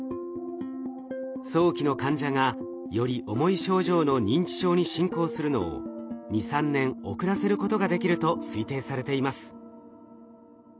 早期の患者がより重い症状の認知症に進行するのを２３年遅らせることができると推定されています。